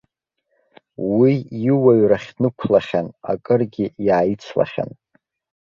Уи иуаҩрахь днықәлахьан, акыргьы иааицлахьан.